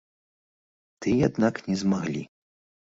Тыя, аднак не змаглі.